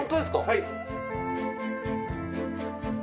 はい！